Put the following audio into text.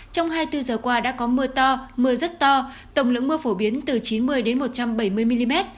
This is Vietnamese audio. trong hai mươi bốn giờ qua đã có mưa to mưa rất to tổng lượng mưa phổ biến từ chín mươi một trăm bảy mươi mm